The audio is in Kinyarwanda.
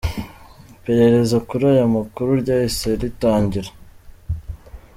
Iperereza kuri aya makuru ryahise ritangira.